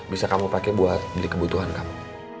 bisa kamu pakai buat beli kebutuhan kamu